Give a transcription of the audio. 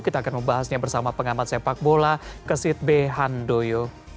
kita akan membahasnya bersama pengamat sepak bola kesit behandoyo